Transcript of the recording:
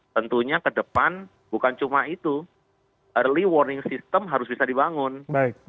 tentunya ke depan bukan cuma itu early warning system harus bisa dibangun